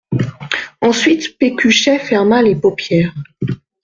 Ensuite Pécuchet ferma les paupières.